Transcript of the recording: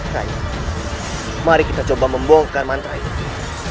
makanya mari kita coba membongkar mantra itu